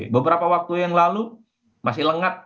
beberapa waktu yang lalu masih lengat